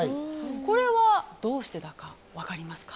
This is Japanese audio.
これはどうしてだか分かりますか？